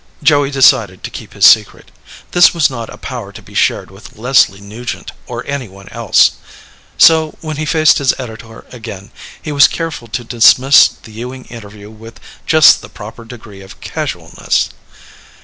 Joey decided to keep his secret. This was not a power to be shared with Leslie Nugent or anyone else. So, when he faced his editor again, he was careful to dismiss the Ewing interview with just the proper degree of casualness.